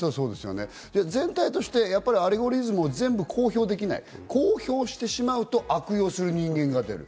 全体としてアルゴリズムを公表できない、公表してしまうと悪用する人間が出る。